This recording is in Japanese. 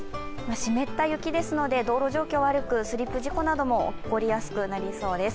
湿った雪ですので、道路状況が悪く、スリップ事故なども起こりやすくなりそうです。